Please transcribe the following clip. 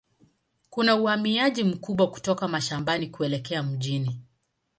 Kuna uhamiaji mkubwa kutoka mashambani kuelekea mjini.